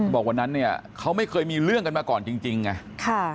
บอกวันนั้นเนี่ยเขาไม่เคยมีเรื่องกันมาก่อนจริงไง